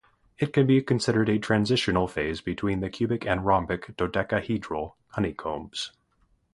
It can be considered a transitional phase between the cubic and rhombic dodecahedral honeycombs.